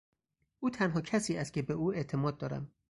او تنها کسی است که به او اعتماد دارم.